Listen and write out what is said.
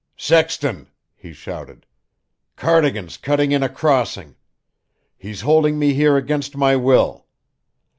"Sexton!" he shouted. "Cardigan's cutting in a crossing. He's holding me here against my will.